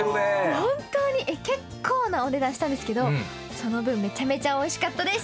本当に、結構なお値段したんですけど、その分めちゃめちゃおいしかったです！